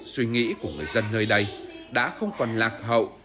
suy nghĩ của người dân nơi đây đã không còn lạc hậu